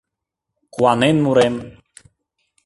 Куанен мурем: